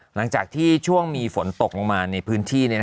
หลังจากที่ช่วงมีฝนตกลงมาในพื้นที่